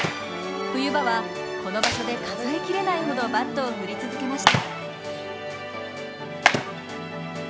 冬場はこの場所で数え切れないほどバットを振り続けました。